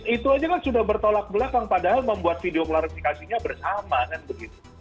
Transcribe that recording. itu aja kan sudah bertolak belakang padahal membuat video klarifikasinya bersama kan begitu